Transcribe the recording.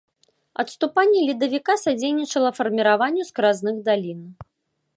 Адступанне ледавіка садзейнічала фарміраванню скразных далін.